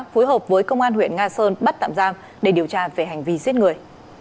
phối hợp với công an huyện nga sơn bắt tạm giam để điều tra về hành vi giết người